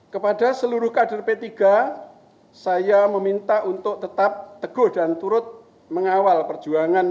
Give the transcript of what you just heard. kepada seluruh kader p tiga saya meminta untuk tetap teguh dan turut mengawal perjuangan